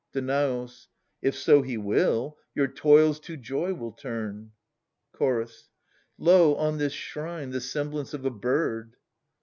Danaus. If so he will, your toils to joy will turn. Chorus. ^4° Lo, on this shrine, the semblance of a bird.